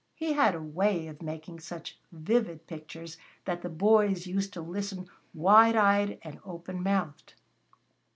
He had a way of making such vivid pictures that the boys used to listen wide eyed and open mouthed.